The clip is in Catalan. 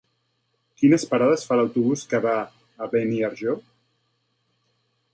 Quines parades fa l'autobús que va a Beniarjó?